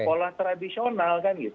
sekolah tradisional kan gitu